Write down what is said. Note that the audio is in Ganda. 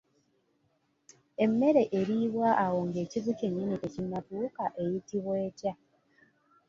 Emmere eriibwa awo nga ekibu kyennyini tekinnatuuka eyitibwa etya?